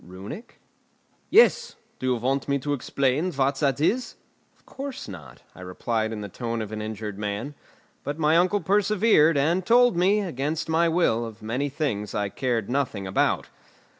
"Runic?" "Yes. Do you want me to explain what that is?" "Of course not," I replied in the tone of an injured man. But my uncle persevered, and told me, against my will, of many things I cared nothing about.